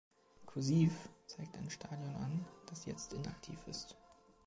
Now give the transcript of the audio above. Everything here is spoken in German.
„Kursiv“ zeigt ein Stadion an, das jetzt inaktiv ist.